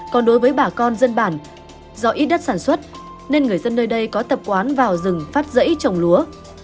còn đối với bà con dân bản do ít đất sản xuất nên người dân nơi đây có tập quán vào rừng phát rẫy trồng lúa